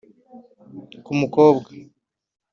Ku mukobwa